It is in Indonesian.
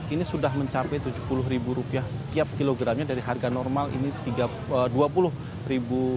ini sudah mencapai rp tujuh puluh tiap kilogramnya dari harga normal ini rp dua puluh